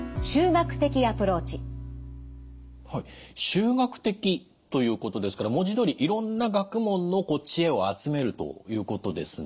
集学的ということですから文字どおりいろんな学問の知恵を集めるということですね？